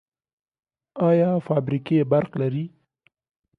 آیا فابریکې برق لري؟